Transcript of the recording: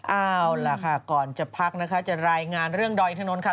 เอาล่ะค่ะก่อนจะพักนะคะจะรายงานเรื่องดอยถนนค่ะ